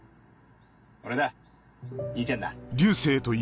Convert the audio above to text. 俺だ兄ちゃんだ。